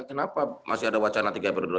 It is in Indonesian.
kenapa masih ada wacana tiga periode